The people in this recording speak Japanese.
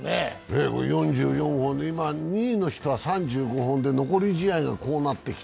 ４４号、今２位の人は３５本で残り試合がこうなってきた。